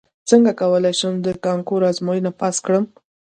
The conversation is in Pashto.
څنګه کولی شم د کانکور ازموینه پاس کړم